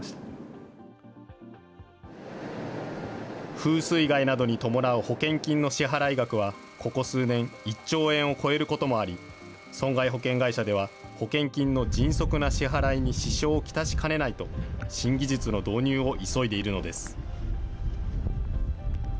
風水害などに伴う保険金の支払い額は、ここ数年、１兆円を超えることもあり、損害保険会社では、保険金の迅速な支払いに支障を来しかねないと、新技術の導入を急いでいるのです。